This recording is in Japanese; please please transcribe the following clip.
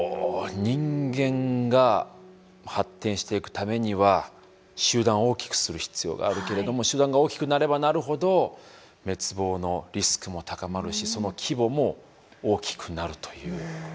人間が発展していくためには集団を大きくする必要があるけれども集団が大きくなればなるほど滅亡のリスクも高まるしその規模も大きくなるという。